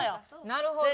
なるほど。